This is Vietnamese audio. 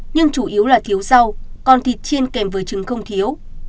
nhưng chủ yếu là thiếu rau còn thịt chiên kèm với trứng không thiếu